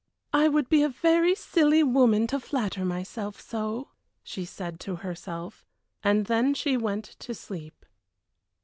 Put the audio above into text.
"I would be a very silly woman to flatter myself so," she said to herself, and then she went to sleep.